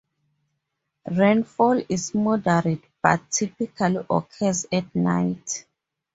Rainfall is moderate but typically occurs at night.